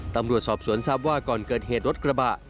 ตำรวจสอบสวนทรัพย์ว่าก่อนเกิดเหตุรถกระบะ